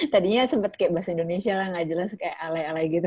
tadinya sempet kayak bahasa indonesia lah nggak jelas kayak alay alay gitu